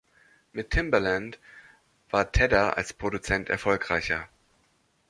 Mit Timbaland war Tedder als Produzent erfolgreicher.